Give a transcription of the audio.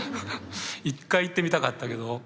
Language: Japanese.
一回言ってみたかったけど。